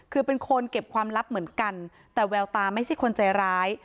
คือเป็นคนเก็บความลับเหมือนกันแต่แววตาไม่ใช่คนใจร้าย